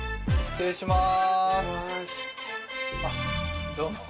失礼します。